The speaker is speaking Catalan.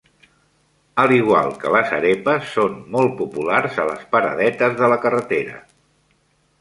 A l"igual que les "arepas", són molt populars a les paradetes de la carretera.